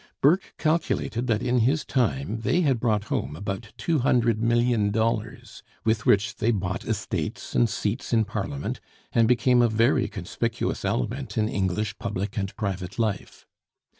Burke calculated that in his time they had brought home about $200,000,000, with which they bought estates and seats in Parliament and became a very conspicuous element in English public and private life.